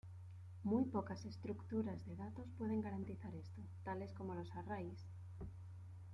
Muy pocas estructuras de datos pueden garantizar esto, tales como los "arrays".